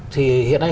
thì hiện nay